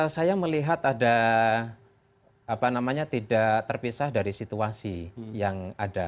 saya melihat ada apa namanya tidak terpisah dari situasi yang ada